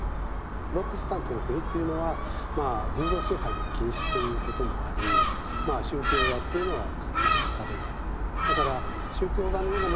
プロテスタントの国っていうのはまあ偶像崇拝の禁止ということもあり宗教画っていうのはあんまり描かれない。